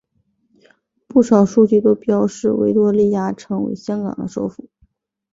不少书籍都标示维多利亚城为香港的首府。